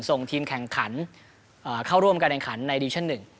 ส่งทีมแข่งขันเข้าร่วมการแข่งขันในดิวิชั่น๑